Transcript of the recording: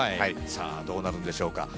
さあどうなるんでしょうか。